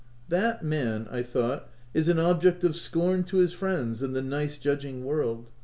"That man/' I thought, "is an object of scorn to his friends and the nice judging world.